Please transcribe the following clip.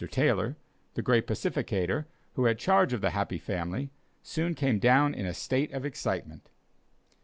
Taylor, the great pacificator, who had charge of the Happy Family, soon came down in a state of excitement.